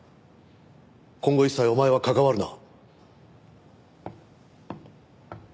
今後一切お前は関わるな。